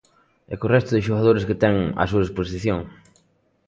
E co resto de xogadores que ten á súa disposición.